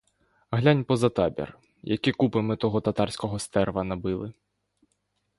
Глянь поза табір, які купи ми того татарського стерва набили.